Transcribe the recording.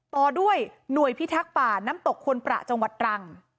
ต่อด้วยหน่วยพิทักษ์ป่าน้ำตกควนประจังหวัดตรัง